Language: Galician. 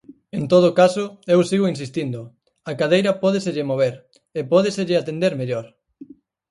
En todo caso, eu sigo insistindo, a cadeira pódeselle mover, e pódeselle atender mellor.